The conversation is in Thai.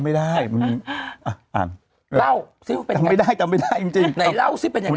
เล่าสิมันน่ะจำไม่ได้จำไม่ได้จริง